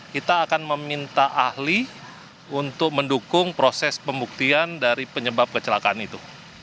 kita akan meminta ahli untuk mendukung proses pembuktian dari penyebab kecelakaan itu